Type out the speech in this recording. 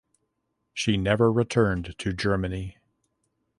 She never returned to Germany.